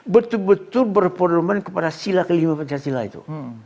betul betul berpodoman kepada sila kelima pancasila itu